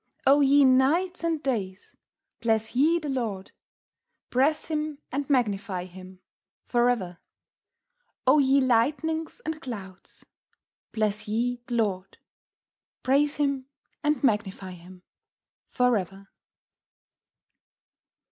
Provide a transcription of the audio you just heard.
O ye Nights and Days, Bless ye the Lord; Praise Him, and Magnify Him for ever. O ye Lightnings and Clouds, Bless ye the Lord; Praise Him, and Magnify Him for ever."